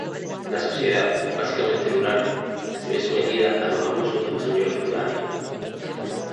La sociedad, básicamente rural, se ve sometida a los abusos de los señores feudales.